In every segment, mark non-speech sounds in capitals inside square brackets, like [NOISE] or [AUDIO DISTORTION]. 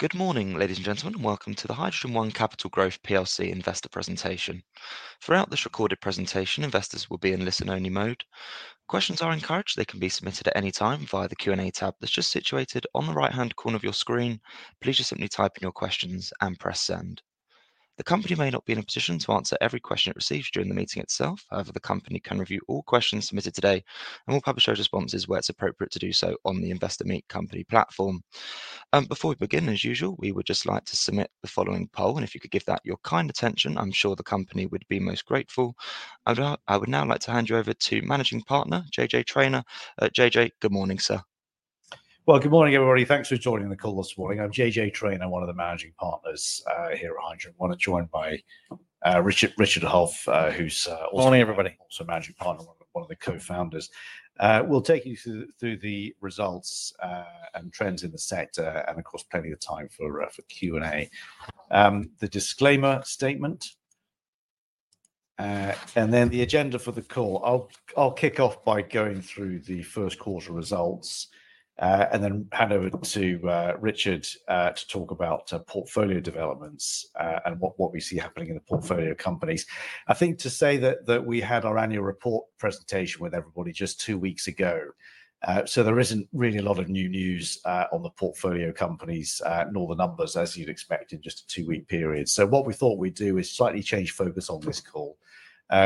Good morning, ladies and gentlemen, and welcome to the HydrogenOne Capital Growth investor presentation. Throughout this recorded presentation, investors will be in listen-only mode. Questions are encouraged; they can be submitted at any time via the Q&A tab that's just situated on the right-hand corner of your screen. Please just simply type in your questions and press send. The company may not be in a position to answer every question it receives during the meeting itself. However, the company can review all questions submitted today and will publish those responses where it's appropriate to do so on the Investor Meet Company platform. Before we begin, as usual, we would just like to submit the following poll, and if you could give that your kind attention, I'm sure the company would be most grateful. I would now like to hand you over to Managing Partner JJ Traynor. JJ, good morning, sir. Good morning, everybody. Thanks for joining the call this morning. I'm JJ Traynor, one of the Managing Partners here at HydrogenOne, joined by Richard Hulf, who's also. Morning, everybody. Also Managing Partner, one of the co-founders. We'll take you through the results and trends in the sector, and of course, plenty of time for Q&A. The disclaimer statement, and then the agenda for the call. I'll kick off by going through the first quarter results and then hand over to Richard to talk about portfolio developments and what we see happening in the portfolio companies. I think to say that we had our annual report presentation with everybody just two weeks ago, so there isn't really a lot of new news on the portfolio companies, nor the numbers, as you'd expect in just a two-week period. What we thought we'd do is slightly change focus on this call.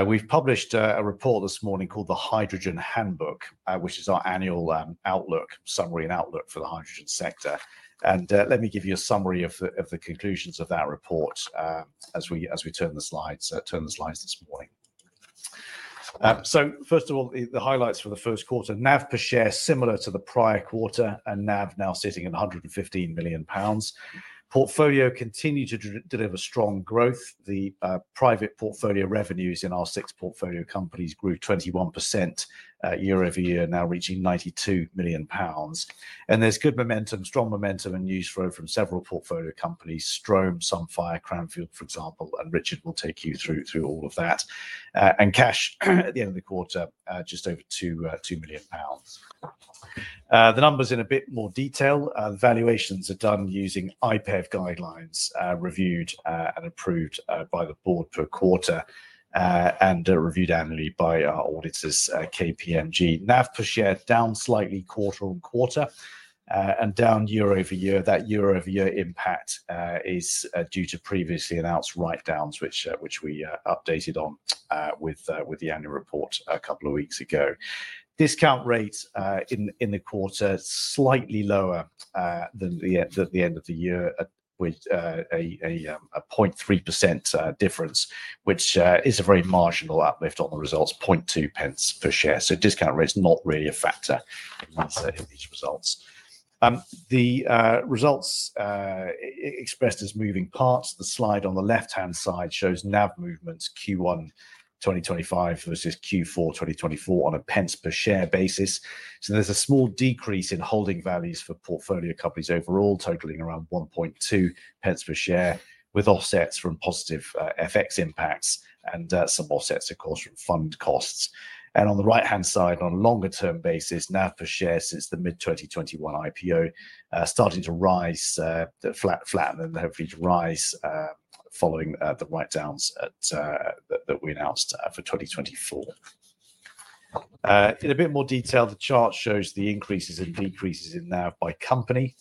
We've published a report this morning called the Hydrogen Handbook, which is our annual outlook, summary and outlook for the hydrogen sector. Let me give you a summary of the conclusions of that report as we turn the slides this morning. First of all, the highlights for the first quarter. NAV per share, similar to the prior quarter, and NAV now sitting at 115 million pounds. Portfolio continued to deliver strong growth. The private portfolio revenues in our six portfolio companies grew 21% year-over-year, now reaching 92 million pounds. There is good momentum, strong momentum, and news from several portfolio companies: Strohm, Sunfire, Cranfield, for example, and Richard will take you through all of that. Cash at the end of the quarter, just over 2 million pounds. The numbers in a bit more detail. The valuations are done using IPEV guidelines, reviewed and approved by the board per quarter and reviewed annually by our auditors, KPMG. NAV per share down slightly quarter-on-quarter, and down year-over-year. That year over year impact is due to previously announced write-downs, which we updated on with the annual report a couple of weeks ago. Discount rates in the quarter slightly lower than at the end of the year, with a 0.3% difference, which is a very marginal uplift on the results, 0.2 per share. Discount rate's not really a factor in these results. The results expressed as moving parts. The slide on the left-hand side shows NAV movements Q1 2025 versus Q4 2024 on a pence per share basis. There's a small decrease in holding values for portfolio companies overall, totaling around 1.2 per share, with offsets from positive FX impacts and some offsets, of course, from fund costs. On the right-hand side, on a longer-term basis, NAV per share since the mid-2021 IPO starting to rise, flattening, hopefully to rise following the write-downs that we announced for 2024. In a bit more detail, the chart shows the increases and decreases in NAV by company,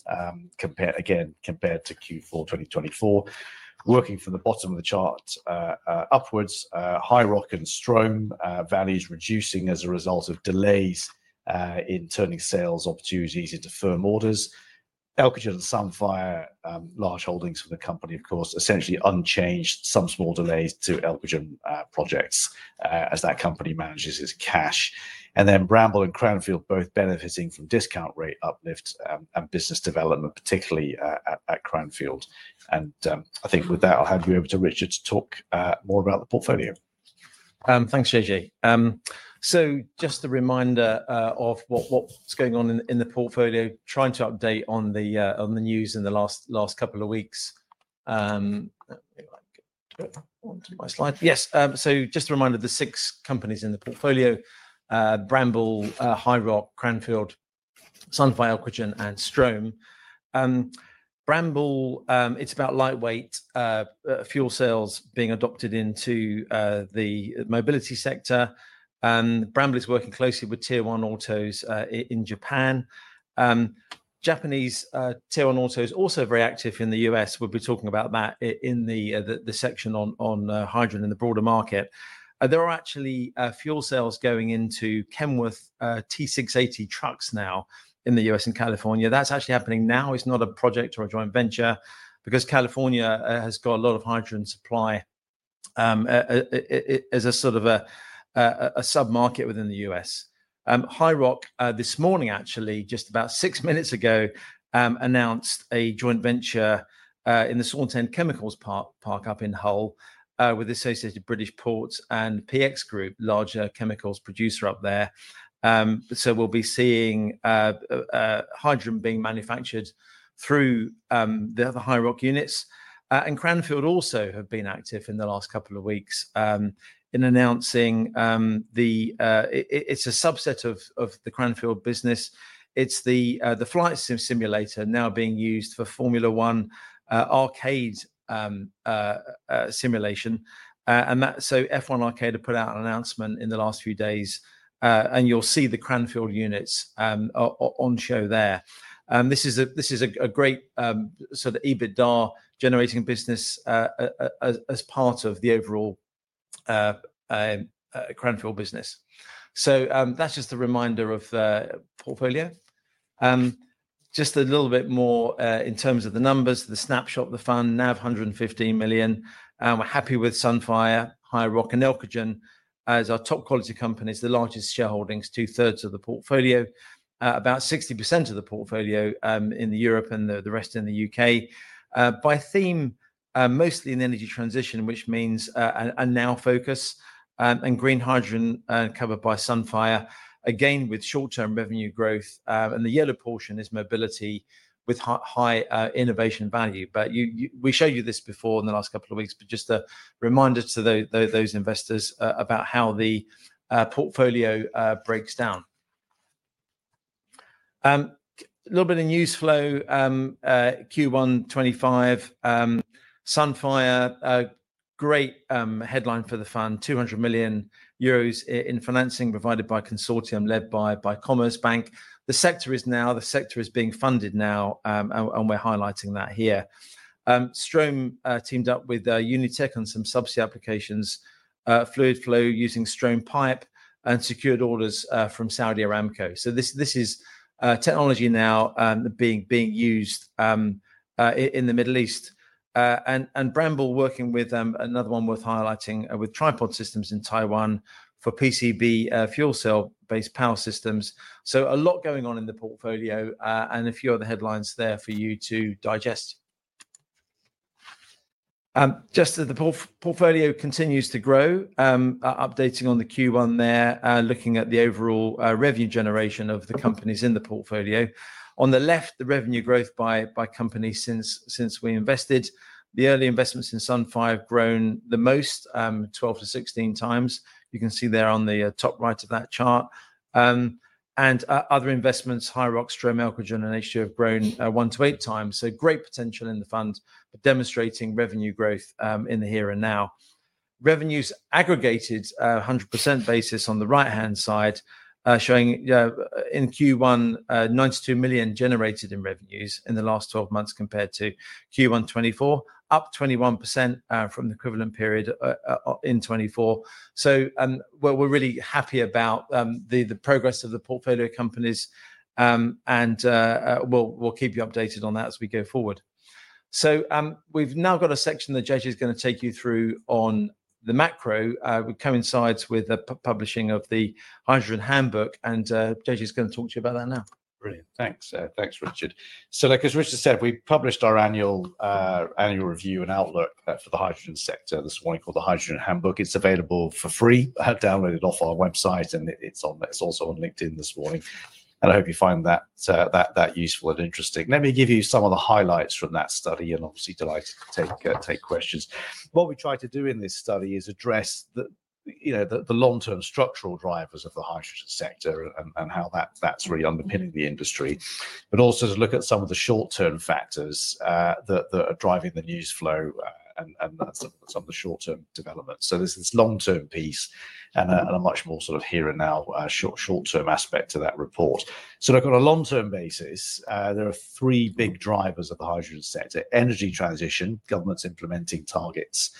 again, compared to Q4 2024. Working from the bottom of the chart upwards, HiiROC and Strohm, values reducing as a result of delays in turning sales opportunities into firm orders. Elcogen and Sunfire, large holdings for the company, of course, essentially unchanged, some small delays to Elcogen projects as that company manages its cash. Bramble and Cranfield, both benefiting from discount rate uplift and business development, particularly at Cranfield. I think with that, I'll hand you over to Richard to talk more about the portfolio. Thanks, JJ. Just a reminder of what's going on in the portfolio, trying to update on the news in the last couple of weeks. Yes, just a reminder, the six companies in the portfolio: Bramble, HiiROC, Cranfield, Sunfire, Elcogen, and Strohm. Bramble, it's about lightweight fuel cells being adopted into the mobility sector. Bramble is working closely with Tier 1 autos in Japan. Japanese Tier 1 autos are also very active in the U.S. We'll be talking about that in the section on hydrogen and the broader market. There are actually fuel cells going into Kenworth T680 trucks now in the U.S. and California. That's actually happening now. It's not a project or a joint venture because California has got a lot of hydrogen supply as a sort of a sub-market within the U.S. HiiROC, this morning, actually, just about six minutes ago, announced a joint venture in the Saltend Chemicals Park up in Hull with Associated British Ports and PX Group, larger chemicals producer up there. We'll be seeing hydrogen being manufactured through the other HiiROC units. Cranfield also have been active in the last couple of weeks in announcing the—it's a subset of the Cranfield business. It's the flight simulator now being used for Formula 1 arcade simulation. F1 Arcade have put out an announcement in the last few days, and you'll see the Cranfield units on show there. This is a great sort of EBITDA-generating business as part of the overall Cranfield business. That's just a reminder of the portfolio. Just a little bit more in terms of the numbers, the snapshot of the fund, NAV 115 million. We're happy with Sunfire, HiiROC, and Elcogen as our top quality companies, the largest shareholdings, 2/3 of the portfolio, about 60% of the portfolio in Europe and the rest in the U.K. By theme, mostly in the energy transition, which means a now focus and green hydrogen covered by Sunfire, again with short-term revenue growth. The yellow portion is mobility with high innovation value. We showed you this before in the last couple of weeks, just a reminder to those investors about how the portfolio breaks down. A little bit of news flow, Q1 2025, Sunfire, great headline for the fund, 200 million euros in financing provided by a consortium led by Commerzbank. The sector is being funded now, and we're highlighting that here. Strohm teamed up with Unitech on some subsea applications, fluid flow using Strohm Pipe, and secured orders from Saudi Aramco. This is technology now being used in the Middle East. Bramble working with another one worth highlighting with Tripod Systems in Taiwan for PCB fuel cell-based power systems. A lot going on in the portfolio and a few other headlines there for you to digest. Just as the portfolio continues to grow, updating on the Q1 there, looking at the overall revenue generation of the companies in the portfolio. On the left, the revenue growth by companies since we invested. The early investments in Sunfire have grown the most, 12-16 times. You can see there on the top right of that chart. Other investments, HiiROC, Strohm, Elcogen, and [HDO] have grown 1-8 times. Great potential in the fund, demonstrating revenue growth in the here and now. Revenues aggregated, 100% basis on the right-hand side, showing in Q1, 92 million generated in revenues in the last 12 months compared to Q1 2024, up 21% from the equivalent period in 2024. We are really happy about the progress of the portfolio companies, and we will keep you updated on that as we go forward. We have now got a section that JJ is going to take you through on the macro, which coincides with the publishing of the Hydrogen Handbook, and JJ is going to talk to you about that now. Brilliant. Thanks, Richard. Like Richard said, we published our annual review and outlook for the hydrogen sector this morning called the Hydrogen Handbook. It is available for free, downloaded off our website, and it is also on LinkedIn this morning. I hope you find that useful and interesting. Let me give you some of the highlights from that study, and obviously delighted to take questions. What we try to do in this study is address the long-term structural drivers of the hydrogen sector and how that is really underpinning the industry, but also to look at some of the short-term factors that are driving the news flow and some of the short-term developments. There is this long-term piece and a much more sort of here and now short-term aspect to that report. Look, on a long-term basis, there are three big drivers of the hydrogen sector: energy transition, governments implementing targets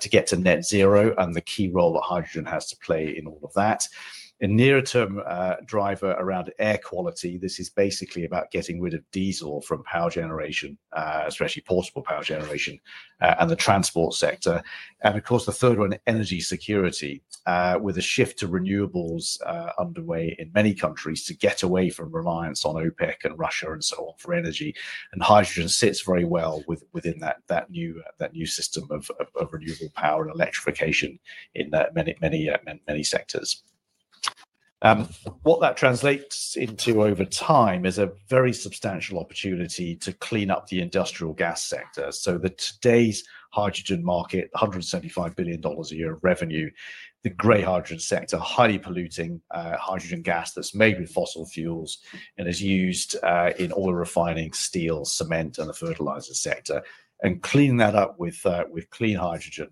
to get to net zero, and the key role that hydrogen has to play in all of that. A nearer-term driver around air quality. This is basically about getting rid of diesel from power generation, especially portable power generation, and the transport sector. Of course, the third one, energy security, with a shift to renewables underway in many countries to get away from reliance on OPEC and Russia and so on for energy. Hydrogen sits very well within that new system of renewable power and electrification in many sectors. What that translates into over time is a very substantial opportunity to clean up the industrial gas sector. Today's hydrogen market, $175 billion a year of revenue, the gray hydrogen sector, highly polluting hydrogen gas that's made with fossil fuels and is used in oil refining, steel, cement, and the fertilizer sector. Cleaning that up with clean hydrogen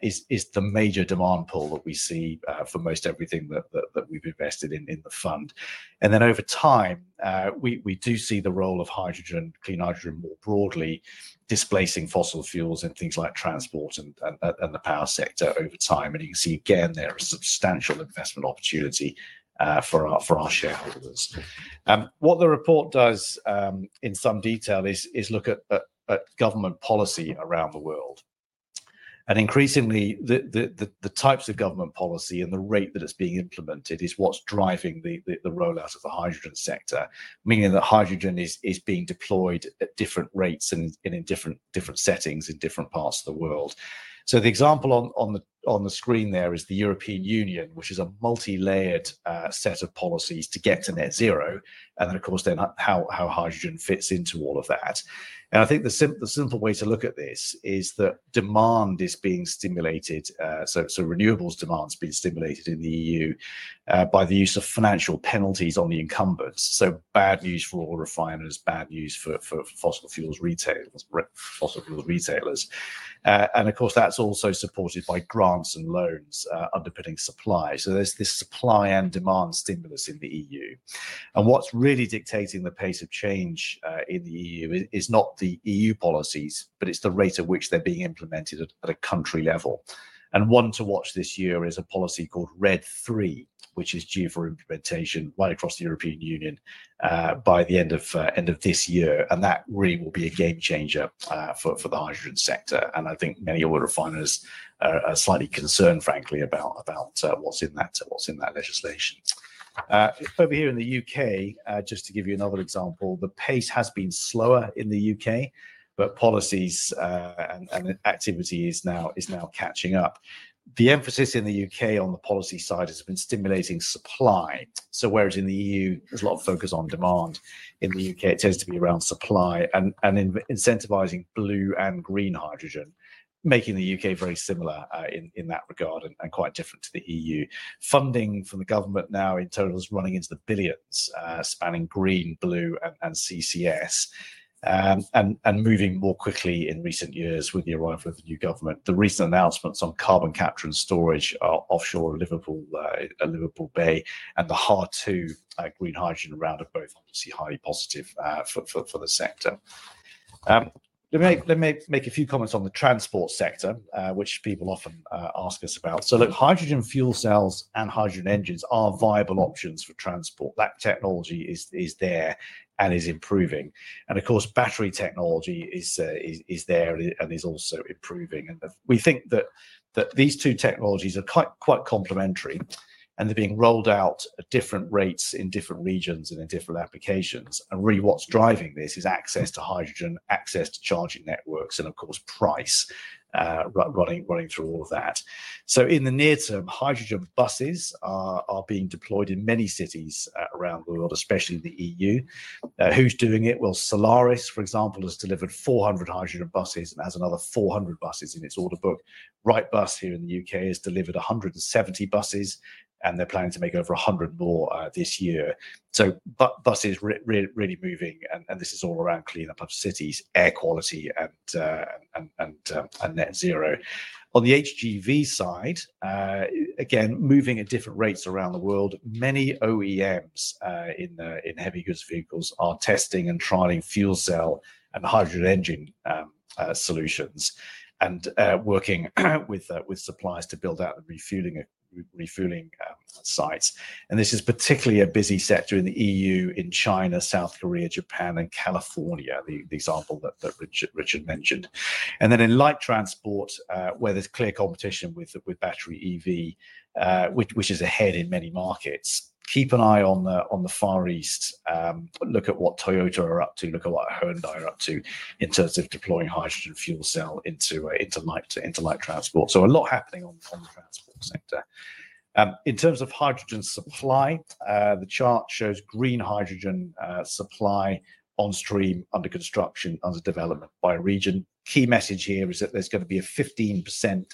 is the major demand pull that we see for most everything that we've invested in the fund. Over time, we do see the role of hydrogen, clean hydrogen more broadly, displacing fossil fuels in things like transport and the power sector over time. You can see again, there is substantial investment opportunity for our shareholders. What the report does in some detail is look at government policy around the world. Increasingly, the types of government policy and the rate that it is being implemented is what is driving the rollout of the hydrogen sector, meaning that hydrogen is being deployed at different rates and in different settings in different parts of the world. The example on the screen there is the European Union, which is a multi-layered set of policies to get to net zero. Of course, then how hydrogen fits into all of that. I think the simple way to look at this is that demand is being stimulated. Renewables demand has been stimulated in the EU by the use of financial penalties on the incumbents. Bad news for oil refiners, bad news for fossil fuels retailers. That is also supported by grants and loans underpinning supply. There is this supply and demand stimulus in the EU. What's really dictating the pace of change in the EU is not the EU policies, but it's the rate at which they're being implemented at a country level. One to watch this year is a policy called RED III, which is due for implementation right across the European Union by the end of this year. That really will be a game changer for the hydrogen sector. I think many oil refiners are slightly concerned, frankly, about what's in that legislation. Over here in the U.K., just to give you another example, the pace has been slower in the U.K., but policies and activity is now catching up. The emphasis in the U.K. on the policy side has been stimulating supply. Whereas in the EU, there's a lot of focus on demand, in the U.K., it tends to be around supply and incentivizing blue and green hydrogen, making the U.K. very similar in that regard and quite different to the EU. Funding from the government now in total is running into the billions, spanning green, blue, and CCS, and moving more quickly in recent years with the arrival of the new government. The recent announcements on carbon capture and storage are offshore Liverpool Bay, and the hard-to-green hydrogen roundup both obviously highly positive for the sector. Let me make a few comments on the transport sector, which people often ask us about. Look, hydrogen fuel cells and hydrogen engines are viable options for transport. That technology is there and is improving. Of course, battery technology is there and is also improving. We think that these two technologies are quite complementary, and they are being rolled out at different rates in different regions and in different applications. Really, what is driving this is access to hydrogen, access to charging networks, and of course, price running through all of that. In the near term, hydrogen buses are being deployed in many cities around the world, especially in the EU. Who is doing it? Solaris, for example, has delivered 400 hydrogen buses and has another 400 buses in its order book. Wrightbus here in the U.K. has delivered 170 buses, and they are planning to make over 100 more this year. Buses are really moving, and this is all around cleaning up cities, air quality, and net zero. On the HGV side, again, moving at different rates around the world, many OEMs in heavy goods vehicles are testing and trialing fuel cell and hydrogen engine solutions and working with suppliers to build out the refueling sites. This is particularly a busy sector in the EU, in China, South Korea, Japan, and California, the example that Richard mentioned. In light transport, where there is clear competition with battery EV, which is ahead in many markets, keep an eye on the Far East. Look at what Toyota are up to. Look at what Hyundai are up to in terms of deploying hydrogen fuel cell into light transport. A lot is happening on the transport sector. In terms of hydrogen supply, the chart shows green hydrogen supply on stream, under construction, under development by region. Key message here is that there's going to be a 15%,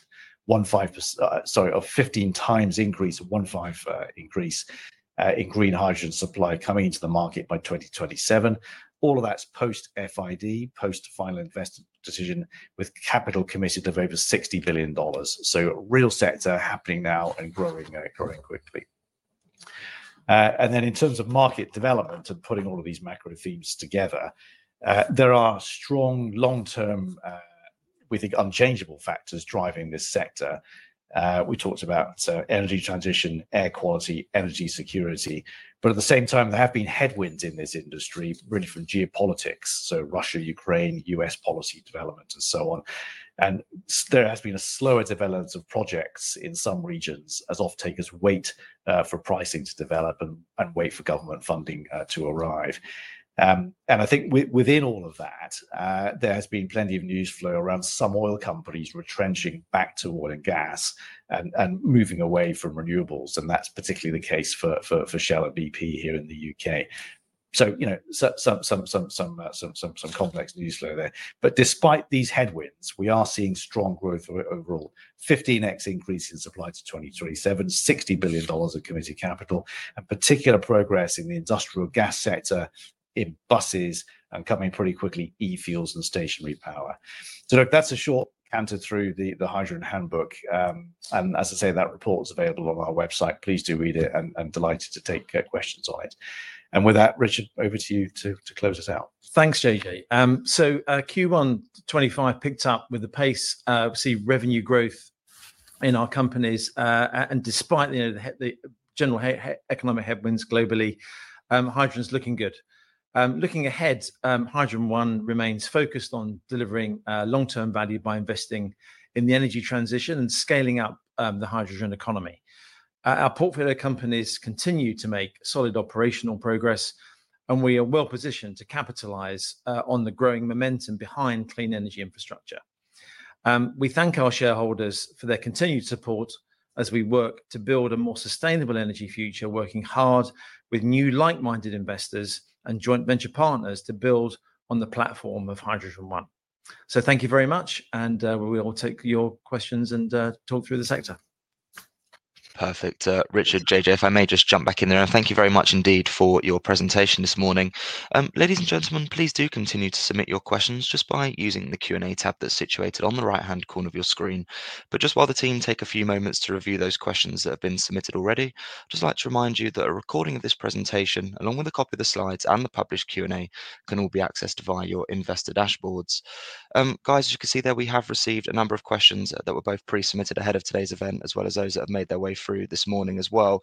sorry, a 15 times increase, a 15 increase in green hydrogen supply coming into the market by 2027. All of that's post-FID, post-final investment decision, with capital committed of over $60 billion. Real sector happening now and growing quickly. In terms of market development and putting all of these macro themes together, there are strong long-term, we think, unchangeable factors driving this sector. We talked about energy transition, air quality, energy security. At the same time, there have been headwinds in this industry, really from geopolitics, so Russia, Ukraine, U.S. policy development, and so on. There has been a slower development of projects in some regions as off-takers wait for pricing to develop and wait for government funding to arrive. I think within all of that, there has been plenty of news flow around some oil companies retrenching back to oil and gas and moving away from renewables. That is particularly the case for Shell and BP here in the U.K. Some complex news flow there. Despite these headwinds, we are seeing strong growth overall, 15x increase in supply to 2027, $60 billion of committed capital, and particular progress in the industrial gas sector in buses and coming pretty quickly, e-fuels and stationary power. That is a short canter through the Hydrogen Handbook. As I say, that report is available on our website. Please do read it and delighted to take questions on it. With that, Richard, over to you to close us out. Thanks, JJ. Q1 2025 picked up with the pace. We see revenue growth in our companies. Despite the general economic headwinds globally, hydrogen is looking good. Looking ahead, HydrogenOne remains focused on delivering long-term value by investing in the energy transition and scaling up the hydrogen economy. Our portfolio companies continue to make solid operational progress, and we are well positioned to capitalize on the growing momentum behind clean energy infrastructure. We thank our shareholders for their continued support as we work to build a more sustainable energy future, working hard with new like-minded investors and joint venture partners to build on the platform of HydrogenOne. Thank you very much, and we will take your questions and talk through the sector. Perfect. Richard, JJ, if I may just jump back in there, and thank you very much indeed for your presentation this morning. Ladies and gentlemen, please do continue to submit your questions just by using the Q&A tab that's situated on the right-hand corner of your screen. While the team take a few moments to review those questions that have been submitted already, I'd just like to remind you that a recording of this presentation, along with a copy of the slides and the published Q&A, can all be accessed via your investor dashboards. Guys, as you can see there, we have received a number of questions that were both pre-submitted ahead of today's event, as well as those that have made their way through this morning as well.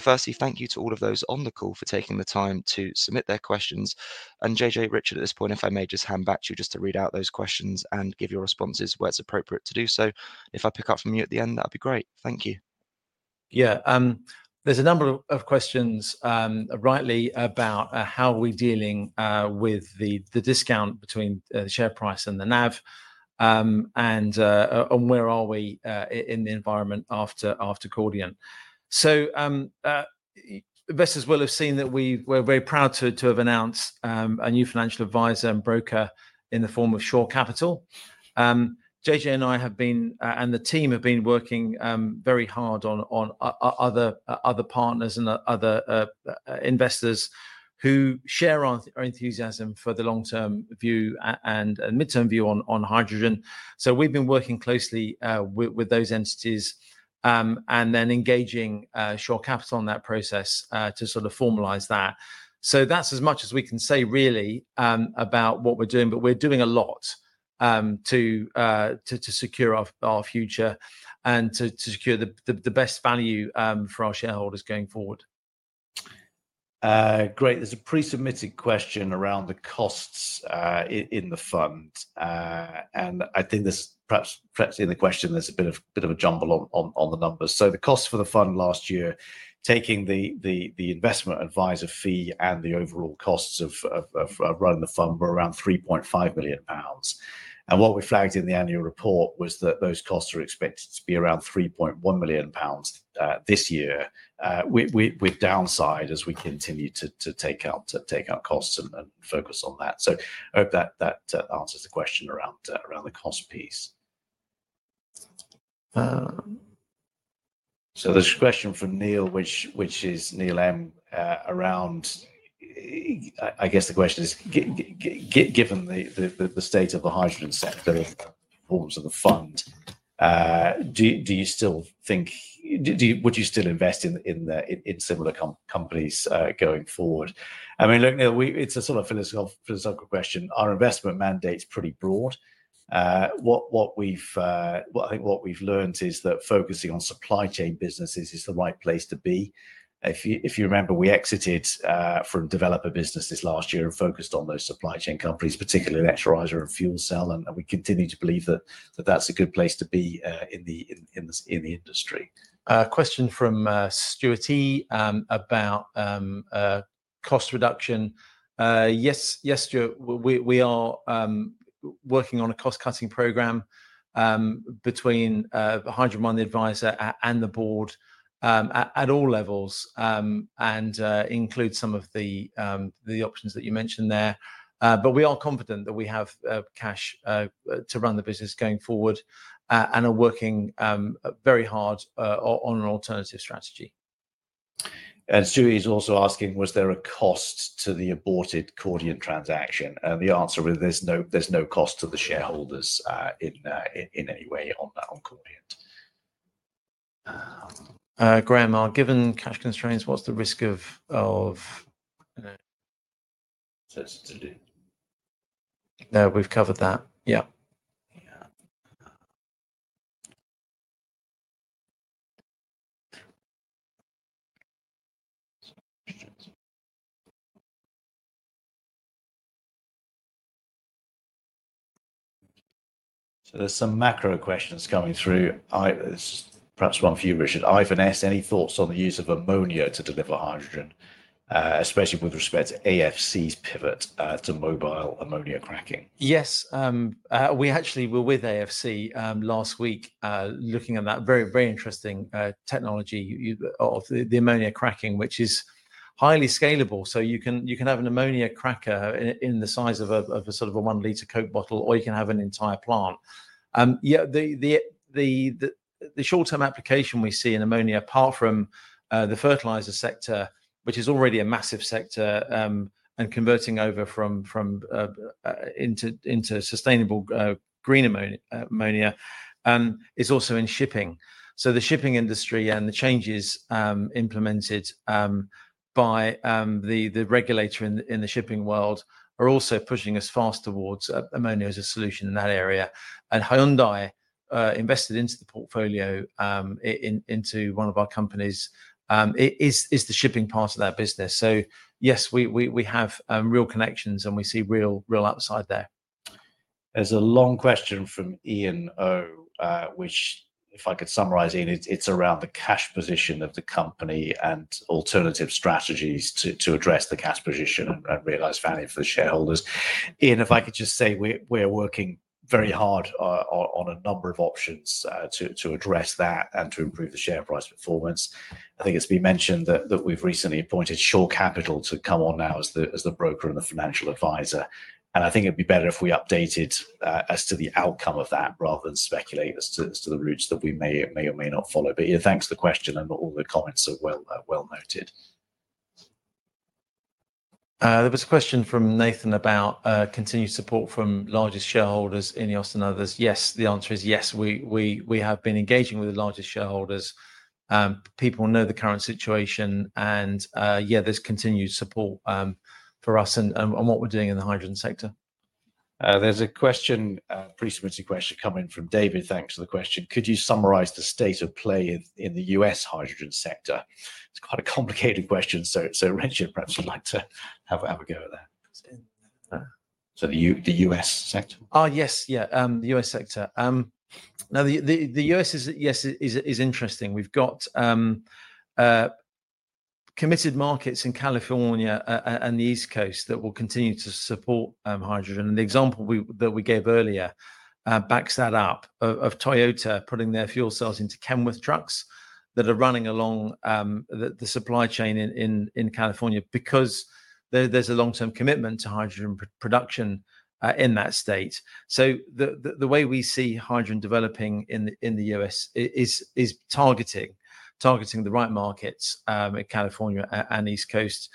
Firstly, thank you to all of those on the call for taking the time to submit their questions. JJ, Richard, at this point, if I may just hand back to you just to read out those questions and give your responses where it's appropriate to do so. If I pick up from you at the end, that would be great. Thank you. Yeah, there's a number of questions rightly about how are we dealing with the discount between the share price and the NAV, and where are we in the environment after Cordiant? Investors will have seen that we're very proud to have announced a new financial advisor and broker in the form of Shore Capital. JJ and I have been, and the team have been working very hard on other partners and other investors who share our enthusiasm for the long-term view and midterm view on hydrogen. We've been working closely with those entities and then engaging Shore Capital on that process to sort of formalize that. That's as much as we can say really about what we're doing, but we're doing a lot to secure our future and to secure the best value for our shareholders going forward. Great. There's a pre-submitted question around the costs in the fund. I think there's perhaps in the question, there's a bit of a jumble on the numbers. The cost for the fund last year, taking the investment advisor fee and the overall costs of running the fund, were around 3.5 million pounds. What we flagged in the annual report was that those costs are expected to be around 3.1 million pounds this year with downside as we continue to take out costs and focus on that. I hope that answers the question around the cost piece. There's a question from Neil, which is Neil M, around, I guess the question is, given the state of the hydrogen sector in the forms of the fund, do you still think, would you still invest in similar companies going forward? I mean, look, Neil, it's a sort of philosophical question. Our investment mandate's pretty broad. I think what we've learned is that focusing on supply chain businesses is the right place to be. If you remember, we exited from developer businesses last year and focused on those supply chain companies, particularly electrolyzer and FuelCell. We continue to believe that that's a good place to be in the industry. Question from Stuart E about cost reduction. Yes, Stuart, we are working on a cost-cutting program between the HydrogenOne advisor and the board at all levels and include some of the options that you mentioned there. We are confident that we have cash to run the business going forward and are working very hard on an alternative strategy. Stuart is also asking, was there a cost to the aborted Cordiant transaction? The answer is there's no cost to the shareholders in any way on Cordiant. Graham, given cash constraints, what's the risk of? No, we've covered that. Yeah. There's some macro questions coming through. Perhaps one for you, Richard. I've an [audio disstortion] any thoughts on the use of ammonia to deliver hydrogen, especially with respect to AFC's pivot to mobile ammonia cracking? Yes. We actually were with AFC last week looking at that very, very interesting technology of the ammonia cracking, which is highly scalable. You can have an ammonia cracker in the size of a sort of a one-liter Coke bottle, or you can have an entire plant. The short-term application we see in ammonia, apart from the fertilizer sector, which is already a massive sector and converting over into sustainable green ammonia, is also in shipping. The shipping industry and the changes implemented by the regulator in the shipping world are also pushing us fast towards ammonia as a solution in that area. Hyundai invested into the portfolio, into one of our companies, is the shipping part of that business. Yes, we have real connections and we see real upside there. There's a long question from Ian O, which, if I could summarize, Ian, it's around the cash position of the company and alternative strategies to address the cash position and realize value for the shareholders. Ian, if I could just say, we're working very hard on a number of options to address that and to improve the share price performance. I think it's been mentioned that we've recently appointed Shore Capital to come on now as the broker and the financial advisor. I think it'd be better if we updated as to the outcome of that rather than speculate as to the routes that we may or may not follow. Yeah, thanks for the question and all the comments are well noted. There was a question from Nathan about continued support from largest shareholders in [AUDIO DISTORTION] and others. Yes, the answer is yes. We have been engaging with the largest shareholders. People know the current situation. Yeah, there is continued support for us and what we are doing in the hydrogen sector. There's a question, a pre-submitted question coming from David. Thanks for the question. Could you summarize the state of play in the U.S. hydrogen sector? It's quite a complicated question. Richard perhaps would like to have a go at that. The U.S. sector? Oh, yes, yeah, the U.S. sector. Now, the U.S., yes, is interesting. We've got committed markets in California and the East Coast that will continue to support hydrogen. The example that we gave earlier backs that up of Toyota putting their fuel cells into Kenworth trucks that are running along the supply chain in California because there's a long-term commitment to hydrogen production in that state. The way we see hydrogen developing in the U.S. is targeting the right markets in California and East Coast.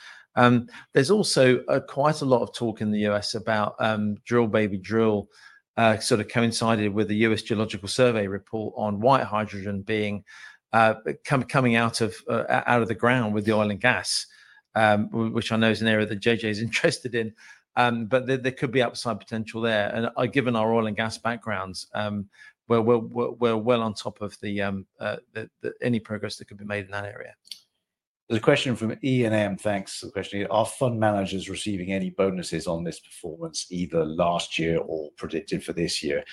There's also quite a lot of talk in the U.S. about drill, baby drill, sort of coincided with the U.S. Geological Survey report on white hydrogen coming out of the ground with the oil and gas, which I know is an area that JJ is interested in. There could be upside potential there. Given our oil and gas backgrounds, we're well on top of any progress that could be made in that area. There's a question from Ian M. Thanks for the question. Are fund managers receiving any bonuses on this performance, either last year or predicted for this year?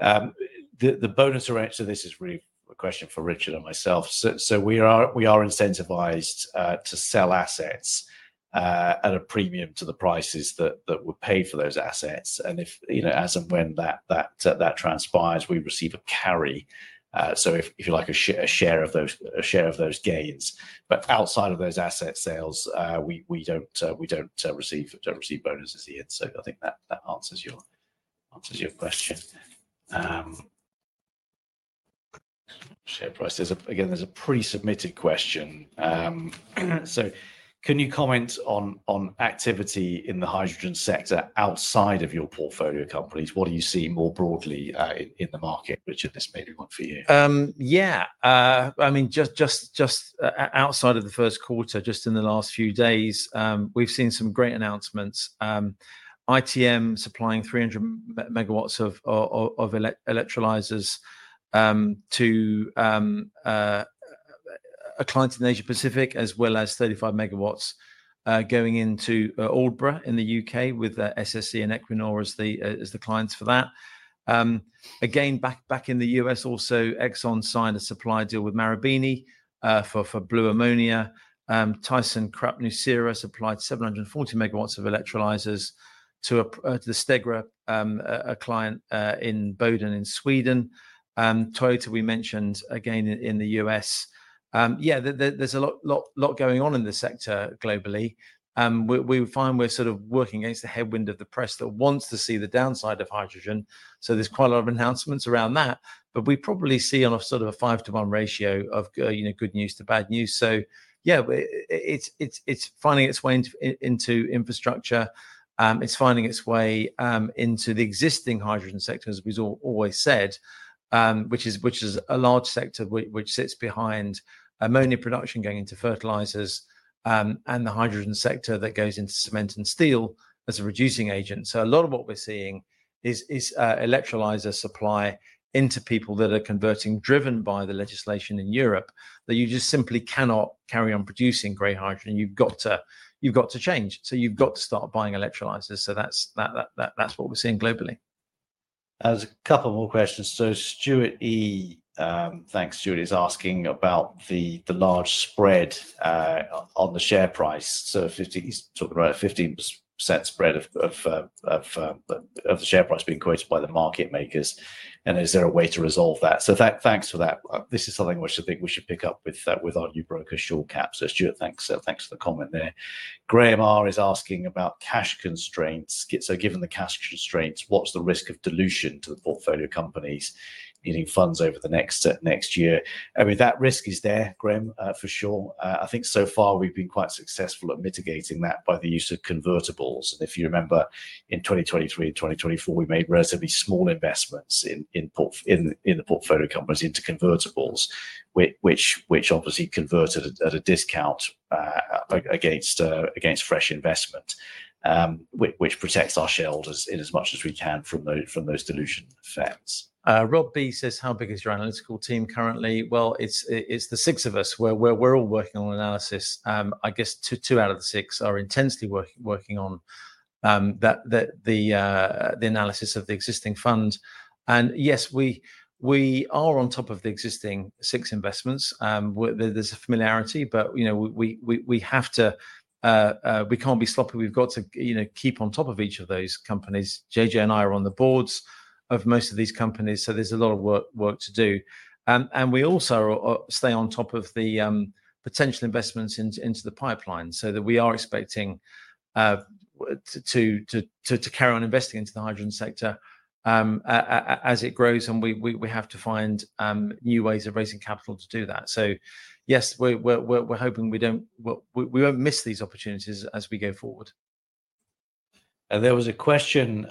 The bonus arrangement, so this is really a question for Richard and myself. We are incentivized to sell assets at a premium to the prices that were paid for those assets. As and when that transpires, we receive a carry, so if you like a share of those gains. Outside of those asset sales, we do not receive bonuses here. I think that answers your question. Again, there's a pre-submitted question. Can you comment on activity in the hydrogen sector outside of your portfolio companies? What do you see more broadly in the market? Richard, this may be one for you. Yeah. I mean, just outside of the first quarter, just in the last few days, we've seen some great announcements. ITM supplying 300 megawatts of electrolyzers to a client in Asia-Pacific, as well as 35 megawatts going into Aldbrough in the U.K. with SSE and Equinor as the clients for that. Again, back in the U.S., also Exxon signed a supply deal with Marubeni for blue ammonia. thyssenkrupp nucera supplied 740 megawatts of electrolyzers to Stegra, a client in Boden, in Sweden. Toyota we mentioned again in the U.S. Yeah, there's a lot going on in the sector globally. We find we're sort of working against the headwind of the press that wants to see the downside of hydrogen. There is quite a lot of announcements around that. We probably see sort of a five-to-one ratio of good news to bad news. Yeah, it's finding its way into infrastructure. It's finding its way into the existing hydrogen sector, as we always said, which is a large sector which sits behind ammonia production going into fertilizers and the hydrogen sector that goes into cement and steel as a reducing agent. A lot of what we're seeing is electrolyzer supply into people that are converting driven by the legislation in Europe that you just simply cannot carry on producing gray hydrogen. You've got to change. You've got to start buying electrolyzers. That's what we're seeing globally. There's a couple more questions. Stuart E, thanks, Stuart, is asking about the large spread on the share price. He's talking about a 15% spread of the share price being created by the market makers. Is there a way to resolve that? Thanks for that. This is something which I think we should pick up with our new broker, Shore Capital. Stuart, thanks for the comment there. Graham R is asking about cash constraints. Given the cash constraints, what's the risk of dilution to the portfolio companies needing funds over the next year? I mean, that risk is there, Graham, for sure. I think so far we've been quite successful at mitigating that by the use of convertibles. If you remember, in 2023 and 2024, we made relatively small investments in the portfolio companies into convertibles, which obviously converted at a discount against fresh investment, which protects our shareholders in as much as we can from those dilution effects. How big is your analytical team currently? It's the six of us. We're all working on analysis. I guess two out of the six are intensely working on the analysis of the existing fund. Yes, we are on top of the existing six investments. There's a familiarity, but we have to, we can't be sloppy. We've got to keep on top of each of those companies. JJ and I are on the boards of most of these companies. There's a lot of work to do. We also stay on top of the potential investments into the pipeline so that we are expecting to carry on investing into the hydrogen sector as it grows. We have to find new ways of raising capital to do that. Yes, we're hoping we don't miss these opportunities as we go forward. There was a question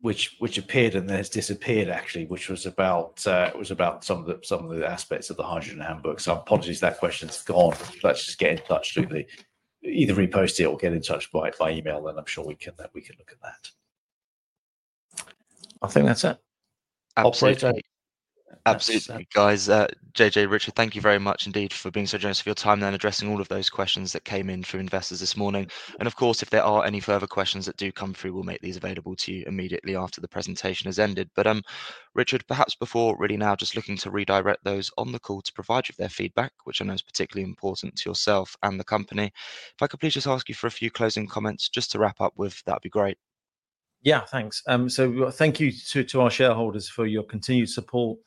which appeared and then has disappeared, actually, which was about some of the aspects of the Hydrogen Handbook. So apologies that question's gone. Let's just get in touch. Either repost it or get in touch by email, then I'm sure we can look at that. I think that's it. Absolutely. Absolutely. Guys. JJ, Richard, thank you very much indeed for being so generous of your time and addressing all of those questions that came in from investors this morning. Of course, if there are any further questions that do come through, we'll make these available to you immediately after the presentation has ended. Richard, perhaps before really now just looking to redirect those on the call to provide you with their feedback, which I know is particularly important to yourself and the company. If I could please just ask you for a few closing comments just to wrap up with, that'd be great. Yeah, thanks. Thank you to our shareholders for your continued support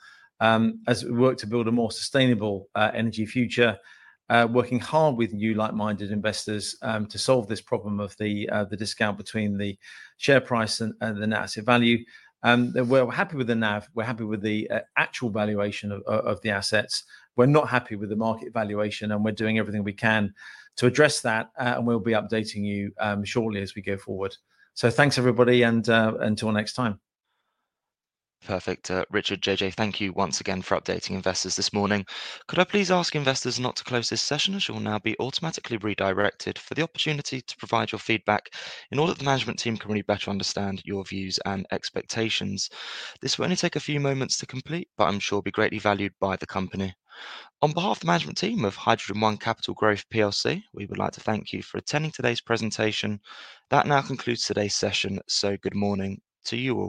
as we work to build a more sustainable energy future, working hard with you like-minded investors to solve this problem of the discount between the share price and the net asset value. We're happy with the NAV. We're happy with the actual valuation of the assets. We're not happy with the market valuation, and we're doing everything we can to address that. We'll be updating you shortly as we go forward. Thanks, everybody, and until next time. Perfect. Richard, JJ, thank you once again for updating investors this morning. Could I please ask investors not to close this session? It will now be automatically redirected for the opportunity to provide your feedback in order that the management team can really better understand your views and expectations. This will only take a few moments to complete, but I'm sure it will be greatly valued by the company. On behalf of the management team of HydrogenOne Capital Growth, we would like to thank you for attending today's presentation. That now concludes today's session. Good morning to you all.